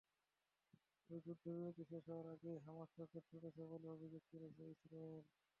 তবে যুদ্ধবিরতি শেষ হওয়ার আগেই হামাস রকেট ছুড়েছে বলে অভিযোগ তুলেছে ইসরায়েল।